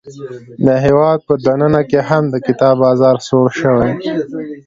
د هیواد په دننه کې هم د کتاب بازار سوړ شوی.